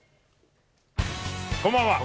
こんばんは。